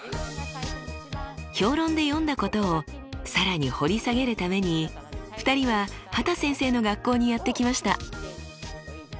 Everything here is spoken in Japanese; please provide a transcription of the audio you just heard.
評論で読んだことを更に掘り下げるために２人は畑先生の学校にやって来ました。